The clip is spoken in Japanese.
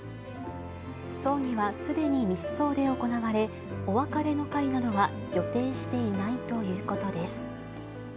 葬儀はすでに密葬で行われ、お別れの会などは予定していないということです。